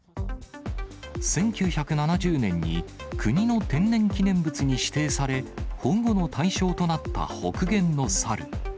１９７０年に国の天然記念物に指定され、保護の対象となった北限のサル。